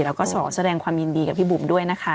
แล้วก็ขอแสดงความยินดีกับพี่บุ๋มด้วยนะคะ